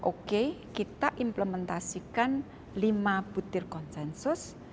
oke kita implementasikan lima butir konsensus